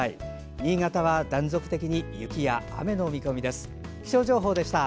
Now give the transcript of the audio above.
新潟は断続的に雪や雨の見込みです。